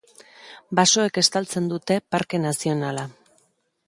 Basoek estaltzen dute Parke Nazionala.